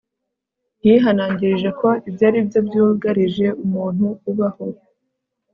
yihanangirije ko ibyo aribyo byugarije umuntu ubaho